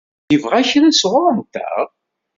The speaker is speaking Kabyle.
Yebɣa kra sɣur-nteɣ?